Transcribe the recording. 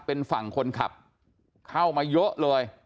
เป็นฝั่งคนขับเข้ามาเยอะเลย